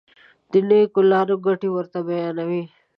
د نېکو لارو ګټې ورته بیانوي.